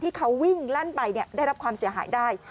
ที่เขาวิ่งลั่นไปได้รับความเสียหายได้